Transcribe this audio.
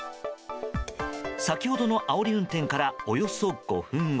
先ほどのあおり運転からおよそ５分後。